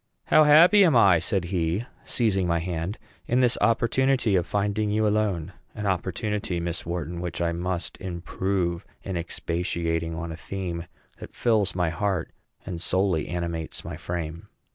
"How happy am I," said he, seizing my hand, "in this opportunity of finding you alone an opportunity, Miss Wharton, which I must improve in expatiating on a theme that fills my heart and solely animates my frame!"